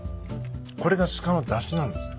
これが鹿のだしなんですね。